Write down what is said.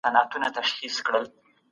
ښوونکی د ښوونځي د زدهکوونکو روزونکی دی.